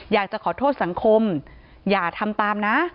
อยากจะขอโทษสังคมอย่าทำตามนะ